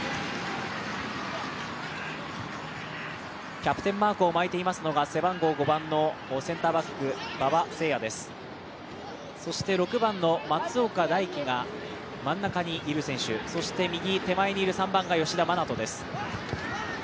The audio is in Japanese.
キャプテンマークを巻いていますのが背番号５番のセンターバック、馬場晴也です、そして６番の松岡大起が真ん中にいる選手、右手前にいる３番が吉田真那斗です